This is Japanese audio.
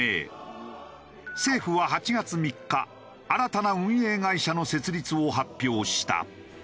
政府は８月３日新たな運営会社の設立を発表した。